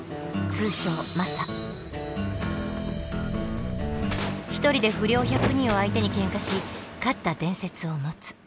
通称１人で不良１００人を相手にケンカし勝った伝説を持つ。